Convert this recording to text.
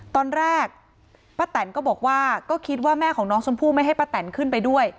ตอนแรกป้าแตนก็บอกว่าก็คิดว่าแม่ของน้องชมพู่ไม่ให้ป้าแตนขึ้นไปด้วย